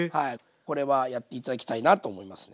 これはやって頂きたいなと思いますね。